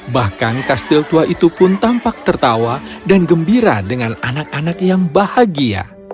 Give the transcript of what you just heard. bahkan kastil tua itu pun tampak tertawa dan gembira dengan anak anak yang bahagia